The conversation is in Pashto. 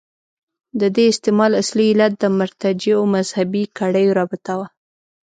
د دې استعمال اصلي علت د مرتجعو مذهبي کړیو رابطه وه.